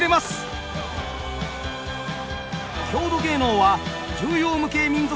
郷土芸能は重要無形民俗